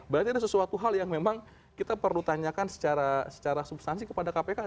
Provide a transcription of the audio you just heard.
berarti ada sesuatu hal yang memang kita perlu tanyakan secara substansi kepada kpk